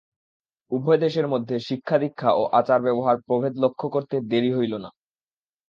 উভয় দেশের মধ্যে শিক্ষা দীক্ষা ও আচার-ব্যবহার প্রভেদ লক্ষ্য করতে দেরী হল না।